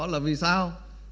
là vì sao